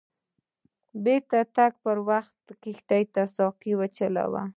د بیرته تګ پر وخت کښتۍ ساقي چلول.